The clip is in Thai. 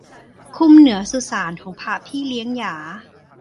คลุมเหนือสุสานของพระพี่เลี้ยงหยา